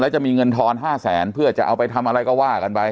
จะมีเงินทอน๕แสนเพื่อจะเอาไปทำอะไรก็ว่ากันไป